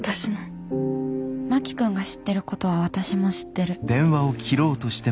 真木君が知ってることは私も知ってる。